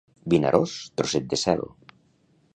Vinaròs, trosset de cel.